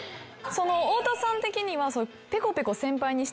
太田さん的には。